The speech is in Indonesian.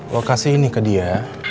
lokasi ini ke dia